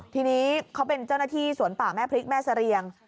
ทีนี้เขาเป็นเจ้าหน้าที่สวนป่าแม่พริกแม่เสรียง